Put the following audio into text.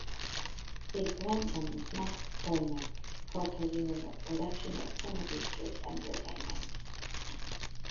His grandson is Matt Tolmach, co-president of production at Sony Pictures Entertainment.